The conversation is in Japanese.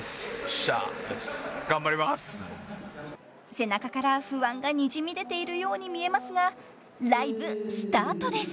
［背中から不安がにじみ出ているように見えますがライブスタートです］